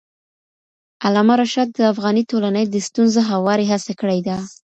علامه رشاد د افغاني ټولنې د ستونزو هواري هڅه کړې ده.